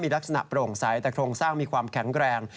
ลักษณะโปร่งใสแต่โครงสร้างมีความแข็งแรง